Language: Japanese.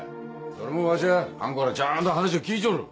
それもわしゃあん子からちゃんと話を聞いちょる！